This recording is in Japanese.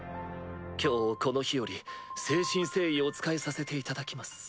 今日この日より誠心誠意お仕えさせていただきます。